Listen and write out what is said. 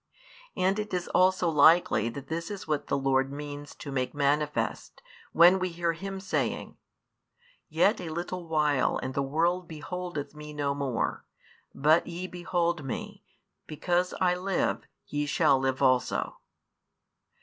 And it is also likely that this is what the Lord means to make manifest, when we hear Him saying: Yet a little while and the world beholdeth Me no more; but ye behold Me; because I live ye shall live also.